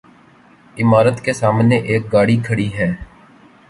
عمارت کے سامنے ایک گاڑی کھڑی ہے